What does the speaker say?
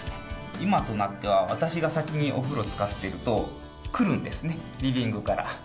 今となっては私が先にお風呂つかってると、来るんですね、リビングから。